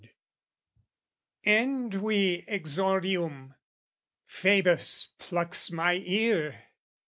End we exordium, Phaebus plucks my ear!